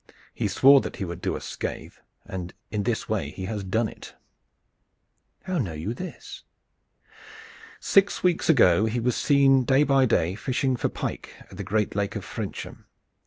"He swore that he would do us scathe, and in this way he has done it." "How know you this?" "Six weeks ago he was seen day by day fishing for pike at the great Lake of Frensham.